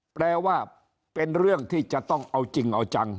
แปลว่าเป็นเรื่องที่จะต้องเอาจริงเอาจัง